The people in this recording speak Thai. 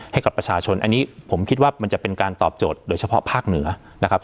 ให้กับประชาชนอันนี้ผมคิดว่ามันจะเป็นการตอบโจทย์โดยเฉพาะภาคเหนือนะครับ